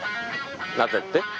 なぜって？